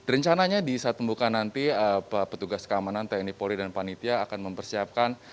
rencananya di saat pembukaan nanti petugas keamanan tni polri dan panitia akan mempersiapkan